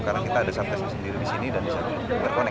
karena kita ada syarikat gasnya sendiri di sini dan bisa terkonek